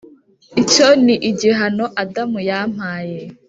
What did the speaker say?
icyo ni igihano adamu yampaye.